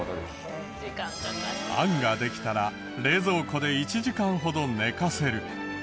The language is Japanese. あんができたら冷蔵庫で１時間ほど寝かせる。